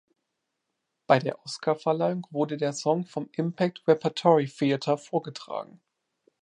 Bei der Oscarverleihung wurde der Song vom Impact Repertory Theatre vorgetragen.